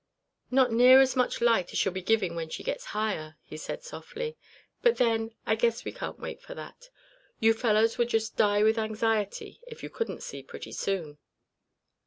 "Not near as much light as she'll be giving when she gets higher," he said, softly; "but then, I guess we can't wait for that. You fellows would just die with anxiety if you couldn't see pretty soon."